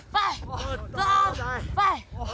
ファイッ！